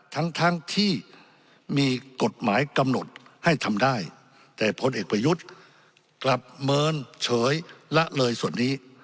ทั้งทั้งที่มีกฎหมายกำหนดให้ทำได้แต่พลเอกประยุทธ์กลับเมินเฉยละเลยส่วนนี้